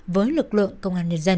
với lực lượng công an nhân dân